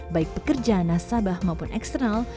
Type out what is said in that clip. baik pekerja nasabah maupun eksternal